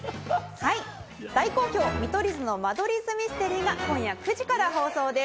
大好評『見取り図の間取り図ミステリー』が今夜９時から放送です。